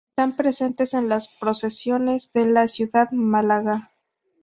Están presentes en las procesiones de la ciudad de Málaga.